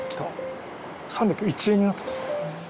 ３０１円になってますね。